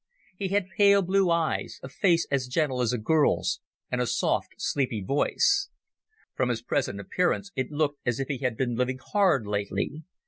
He had pale blue eyes, a face as gentle as a girl's, and a soft sleepy voice. From his present appearance it looked as if he had been living hard lately.